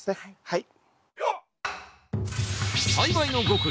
はい。